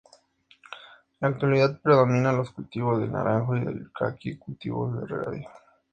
En la actualidad predominan los cultivos del naranjo y del caqui, cultivos de regadío.